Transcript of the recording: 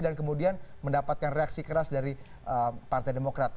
dan kemudian mendapatkan reaksi keras dari partai demokrat